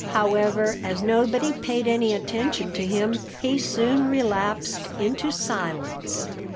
However, as nobody paid any attention to him, he soon relapsed into silence.